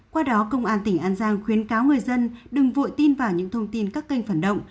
qua đó công an tỉnh an giang khuyến cáo người dân đừng vội tin vào những thông tin các kênh phản động